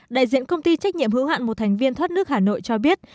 đại diện công ty trách nhiệm hữu hạn một thành viên thoát nước hà nội cho biết